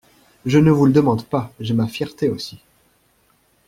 Je ne vous le demande pas : j’ai ma fierté aussi !…